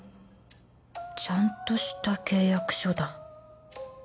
ちゃんとした契約書だ